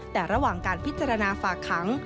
แต่ระหว่างการพิจารณาฝากขัง